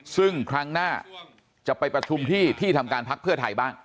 ซึ่งครั้งหน้าจะไปประชุมที่ที่ทำการพักเพื่อไทยบ้าง